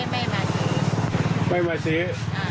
ไม่ไม่มาซื้อ